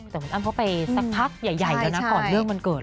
แต่คุณอ้ำเข้าไปสักพักใหญ่แล้วนะก่อนเรื่องวันเกิด